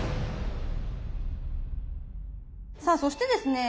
さあそしてですね